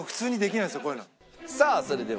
さあそれでは。